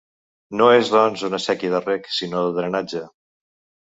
No és, doncs, una séquia de reg, sinó de drenatge.